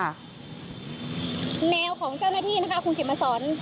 แนวของเจ้าหน้าที่นะคะคุณเขียนมาสอน